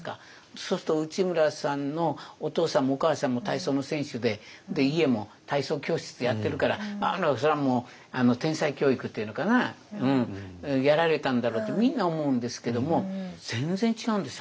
そうすると内村さんのお父さんもお母さんも体操の選手でで家も体操教室やってるからそれはもう天才教育って言うのかなやられたんだろうとみんな思うんですけども全然違うんですよ